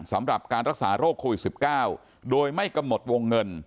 สำหรับการรักษาโรคโควิด๑๙โดยไม่กำหนดวงเงิน